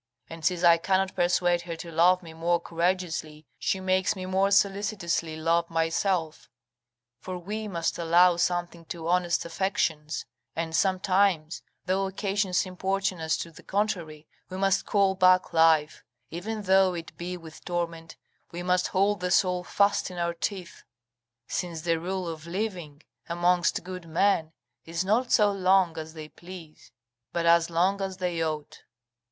And since I cannot persuade her to love me more courageously, she makes me more solicitously love myself: for we must allow something to honest affections, and, sometimes, though occasions importune us to the contrary, we must call back life, even though it be with torment: we must hold the soul fast in our teeth, since the rule of living, amongst good men, is not so long as they please, but as long as they ought.